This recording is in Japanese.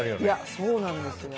そうなんですよ。